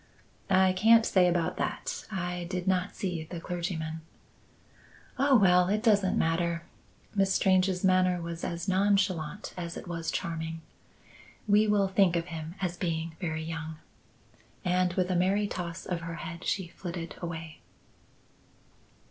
"I can't say about that; I did not see the clergyman." "Oh, well! it doesn't matter." Miss Strange's manner was as nonchalant as it was charming. "We will think of him as being very young." And with a merry toss of her head she flitted away.